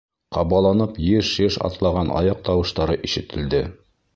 Ҡабаланып йыш-йыш атлаған аяҡ тауыштары ишетелде.